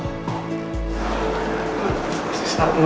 masih sama bu